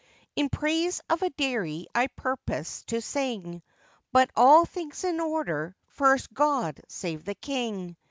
] IN praise of a dairy I purpose to sing, But all things in order, first, God save the King!